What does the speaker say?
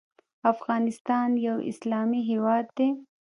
افغانستان یو اسلامي هیواد دی.